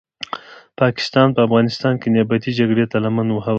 پاکستان په افغانستان کې نیابتې جګړي ته لمن هواروي